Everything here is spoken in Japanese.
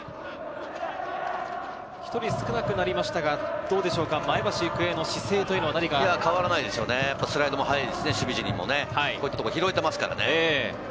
１人少なくなりましたが、前橋育英の姿勢というのは？変わらないですね、スライドも早いですし、こういったところを拾えていますからね。